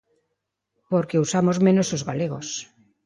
Porque o usamos menos os galegos.